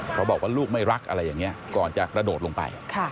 เพราะบอกว่าลูกไม่รักอะไรอย่างนี้ก่อนจะกระโดดลงไป